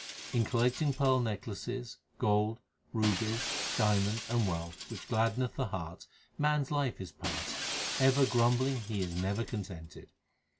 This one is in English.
In collecting pearl necklaces, gold, rubies, diamonds, and wealth which gladdeneth the heart HYMNS OF GURU ARJAN 367 Man s life is passed : ever grumbling he is never con tented.